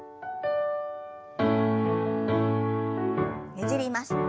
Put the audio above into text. ねじります。